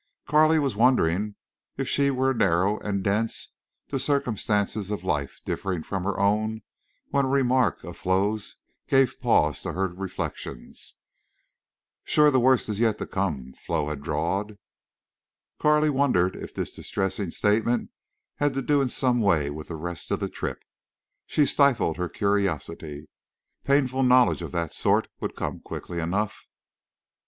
Carley was wondering if she were narrow and dense to circumstances of life differing from her own when a remark of Flo's gave pause to her reflections. "Shore the worst is yet to come." Flo had drawled. Carley wondered if this distressing statement had to do in some way with the rest of the trip. She stifled her curiosity. Painful knowledge of that sort would come quickly enough.